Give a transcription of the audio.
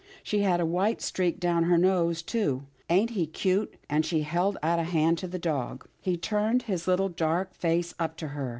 She had a white streak down her nose, too. Ain't he cute ?" and she held out a hand to the dog. He turned his little, dark face up to her.